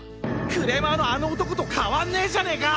クレーマーのあの男と変わんねえじゃねか！